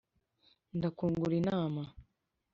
ndakungura inama